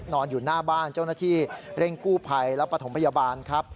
อยู่หน้าบ้านเจ้าหน้าที่เร่งกู้ภัยและปฐมพยาบาลครับ